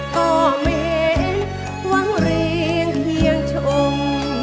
ก็ไม่เห็นหวังเรียงเพียงชง